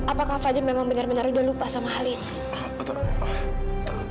apakah kak fadil memang benar benar udah lupa sama hal ini